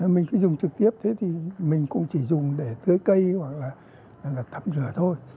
mình cứ dùng trực tiếp thế thì mình cũng chỉ dùng để tưới cây hoặc là thạm rửa thôi